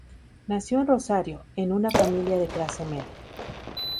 Nació en Rosario, en una familia de clase media.